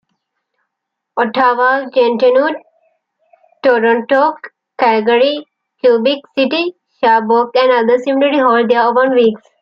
Ottawa-Gatineau, Toronto, Calgary, Quebec City, Sherbrooke and others similarly hold their own weeks.